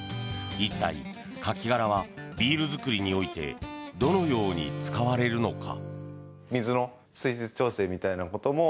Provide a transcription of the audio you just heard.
一体カキ殻はビール造りにおいてどのように使われるのか。